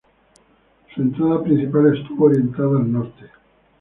Su entrada principal estuvo orientada al norte.